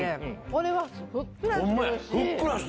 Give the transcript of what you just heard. これはふっくらしてるし。